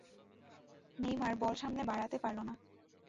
Neymar ball সামনে বাড়াতে পারলো না।